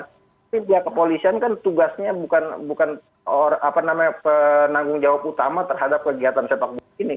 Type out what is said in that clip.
tapi pihak kepolisian kan tugasnya bukan penanggung jawab utama terhadap kegiatan sepak bola ini